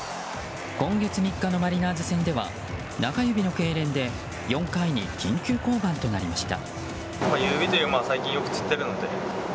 今月３日のマリナーズ戦では中指のけいれんで４回に緊急降板となりました。